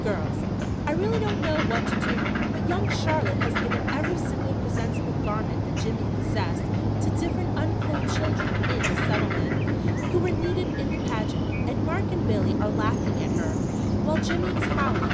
"Girls, I really don't know what to do, but young Charlotte has given every single presentable garment that Jimmy possessed to different unclothed children in the Settlement, who were needed in the pageant, and Mark and Billy are laughing at her, while Jimmy is howling.